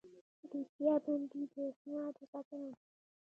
دوسیه بندي د اسنادو ساتنه ده